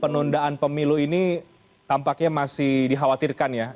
penundaan pemilu ini tampaknya masih dikhawatirkan ya